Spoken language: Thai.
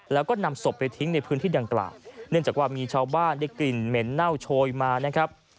แล้วก็นำศพไปทิ้งในพื้นที่ดังกล่าวเนื่องจากว่ามีชาวบ้านได้กลิ่นเหม็นเน่าโชยมานะครับ